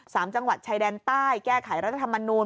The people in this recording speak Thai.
จังหวัดชายแดนใต้แก้ไขรัฐธรรมนูล